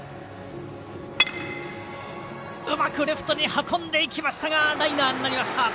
うまくレフトに運びましたがライナーになりました。